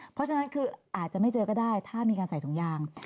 เพราะฉะนั้นคืออาจจะไม่เจอก็ได้ถ้ามีการใส่ถุงยาง